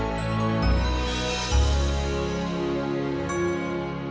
akhirnya lo ngerasain apa yang kita rasain